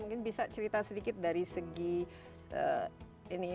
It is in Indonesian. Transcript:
mungkin bisa cerita sedikit dari segi ini